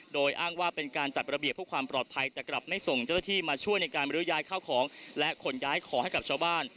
โดยอ้างว่าเป็นการจัดระเบียบเพื่อความปลอดภัยแต่กลับไม่ส่งเจ้าหน้าที่มาช่วยในการบริยายข้าวของและขนย้ายของให้กับชาวบ้าน